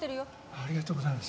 ありがとうございます。